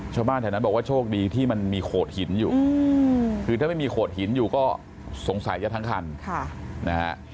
ชาวบ้านแถวนั้นบอกว่าโชคดีที่มันมีโขดหินอยู่คือถ้าไม่มีโขดหินอยู่ก็สงสัยจะทั้งคันนะฮะ